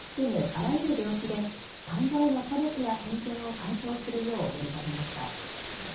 あらゆる病気で患者への差別や偏見を解消するよう呼びかけました。